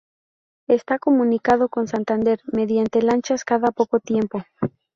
Está comunicado con Santander mediante lanchas cada poco tiempo.